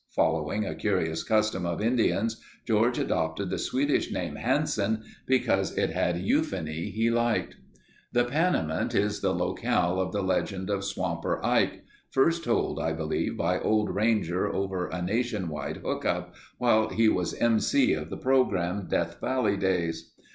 Following a curious custom of Indians George adopted the Swedish name Hansen because it had euphony he liked. The Panamint is the locale of the legend of Swamper Ike, first told I believe by Old Ranger over a nation wide hookup, while he was M.C. of the program "Death Valley Days."